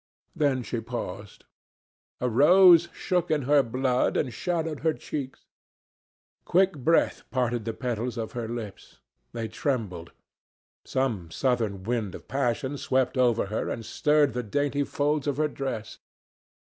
Then she paused. A rose shook in her blood and shadowed her cheeks. Quick breath parted the petals of her lips. They trembled. Some southern wind of passion swept over her and stirred the dainty folds of her dress.